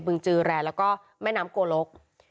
เบื้องจือแรแล้วก็แม่น้ำโกลก